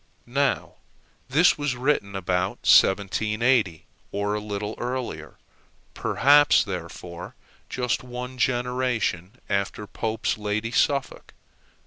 Now this was written about 1780, or a little earlier; perhaps, therefore, just one generation after Pope's Lady Suffolk.